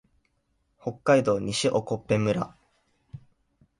北海道西興部村